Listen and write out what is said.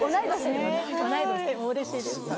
はいうれしいです。